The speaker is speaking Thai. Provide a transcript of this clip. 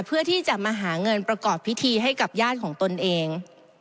เพื่อที่จะมาหาเงินประกอบพิธีให้กับญาติของตนเอง